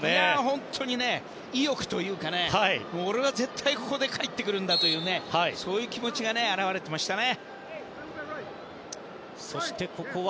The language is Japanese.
本当に意欲というか俺は絶対ここで帰ってくるんだというそういう気持ちが表れていましたね。